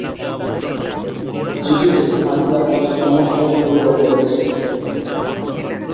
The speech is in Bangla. চিঠিতে আমি তার কাছে সমস্তই কবুল করে লিখেছি।